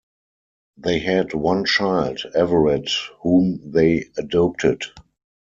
They had one child, Everet, whom they adopted.